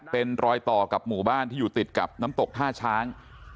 เป็นรอยต่อกับหมู่บ้านที่อยู่ติดกับน้ำตกท่าช้าง